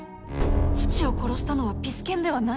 父を殺したのはピス健ではない？